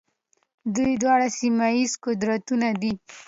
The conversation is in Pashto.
دوی دواړه سیمه ییز قدرتونه دي.